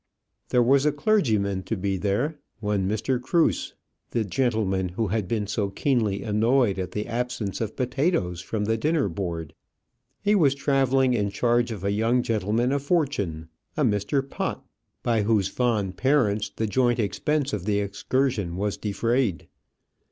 There was a clergyman to be there, one Mr. Cruse, the gentleman who had been so keenly annoyed at the absence of potatoes from the dinner board. He was travelling in charge of a young gentleman of fortune, a Mr. Pott, by whose fond parents the joint expense of the excursion was defrayed. Mr.